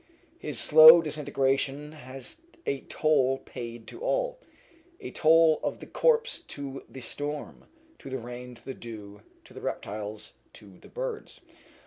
His slow disintegration was a toll paid to all a toll of the corpse to the storm, to the rain, to the dew, to the reptiles, to the birds.